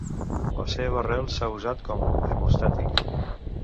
La seva arrel s'ha usat com hemostàtic.